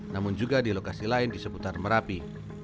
namun juga di lokasi lain di seputar merapi